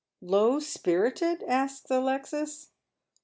" Low spirited '?" asks Alexis.